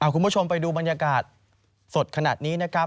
คุณผู้ชมไปดูบรรยากาศสดขนาดนี้นะครับ